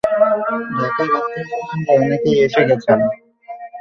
ঢাকার আত্মীয়স্বজনরা অনেকেই এসে গেছেন।